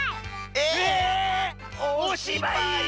えっ⁉おしばい